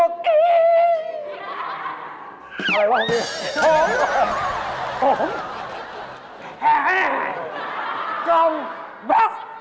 กล่องบ๊อก